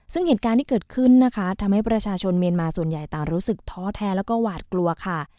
ซึ่งเหตุการณ์ที่เกิดขึ้นนะคะทำให้ประชาชนเมียนมาส่วนใหญ่ต่างรู้สึกท้อแท้แล้วก็หวาดกลัวค่ะ